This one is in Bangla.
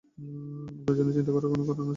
আপনার জন্য চিন্তা করার কি কোন কারণ আছে?